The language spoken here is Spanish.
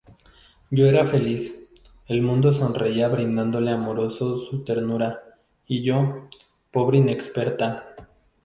Yo era feliz; el mundo sonreía brindándome amoroso su ternura; Y yo, pobre inexperta.